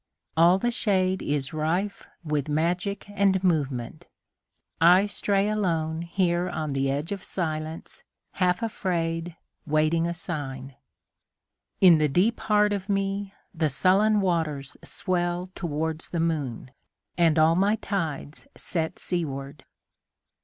All the shadeIs rife with magic and movement. I stray aloneHere on the edge of silence, half afraid, Waiting a sign. In the deep heart of meThe sullen waters swell towards the moon, And all my tides set seaward.